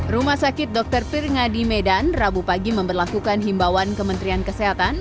rumah sakit dr pirngadi medan rabu pagi memperlakukan himbauan kementerian kesehatan